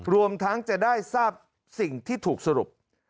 รวมทั้งจะได้ทราบสิ่งที่ถูกสรุป